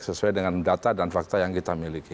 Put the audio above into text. sesuai dengan data dan fakta yang ada